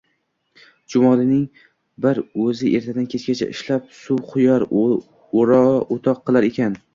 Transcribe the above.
Chumolining bir o’zi ertadan-kechgacha ishlab suv quyar, o’toq qilar ekan